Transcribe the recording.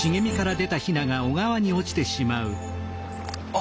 あ！